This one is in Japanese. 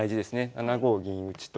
７五銀打と。